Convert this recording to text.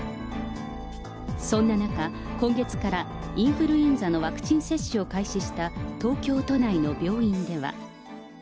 そんな中、今月からインフルエンザのワクチン接種を開始した東京都内の病院では。